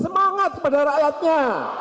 semangat kepada rakyatnya